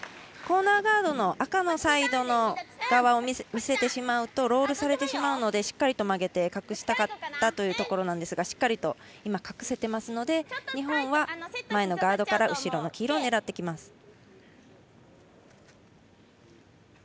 コーナーガードの赤のサイドの側を見せるとロールされてしまうのでしっかりと曲げて隠したかったというところなんですがしっかり今、隠せているので日本は前のガードから後ろの黄色を狙ってきます。